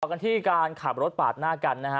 กันที่การขับรถปาดหน้ากันนะฮะ